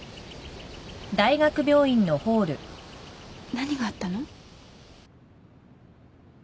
何があったの？